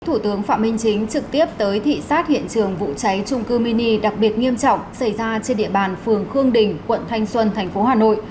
thủ tướng phạm minh chính trực tiếp tới thị xát hiện trường vụ cháy trung cư mini đặc biệt nghiêm trọng xảy ra trên địa bàn phường khương đình quận thanh xuân thành phố hà nội